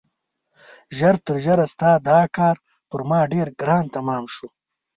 ژر تر ژره ستا دا کار پر ما ډېر ګران تمام شو.